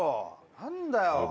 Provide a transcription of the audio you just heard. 何だよ！